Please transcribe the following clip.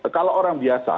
kalau orang biasa